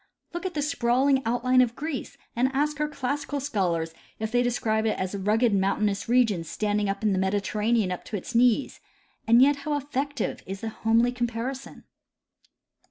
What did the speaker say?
Look at the sprawling outline of Greece, and ask our classical scholars if they describe it as a rugo ed mountainous region standing in the Mediterranean up to its knees ; and yet how effective is the homely comparison